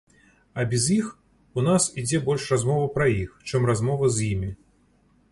А без іх у нас ідзе больш размова пра іх, чым размова з імі.